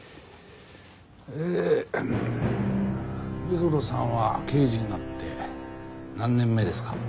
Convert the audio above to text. ええ目黒さんは刑事になって何年目ですか？